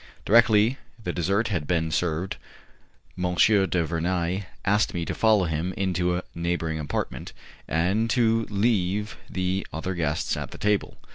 Directly the dessert had been served, M. du Vernai asked me to follow him into a neighbouring apartment, and to leave the other guests at the table.